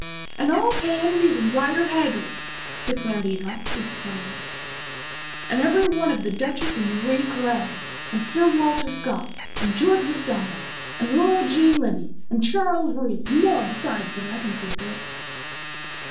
"And all Pansy's and Rider Haggard's," declared Eva, with triumph. "And every one of The Duchess and Marie Corelli, and Sir Walter Scott, and George Macdonald, and Laura Jean Libbey, and Charles Reade, and more, besides, than I can think of."